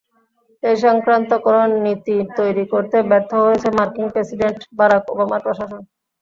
এ-সংক্রান্ত কোনো নীতি তৈরি করতে ব্যর্থ হয়েছে মার্কিন প্রেসিডেন্ট বারাক ওবামার প্রশাসন।